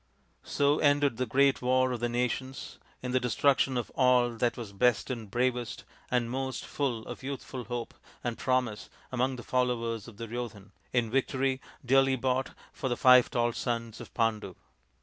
So ended the great war of the nations, in the destruction of all that was best and bravest and most full of youthful hope and promise among the followers of Duryodhan ; in victory, dearly bought, for the five tall sons of Pandu.